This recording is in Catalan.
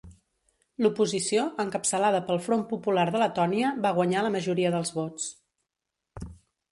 L'oposició, encapçalada pel Front Popular de Letònia va guanyar la majoria dels vots.